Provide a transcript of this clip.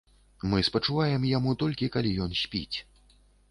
Мы спачуваем яму толькі калі ён спіць.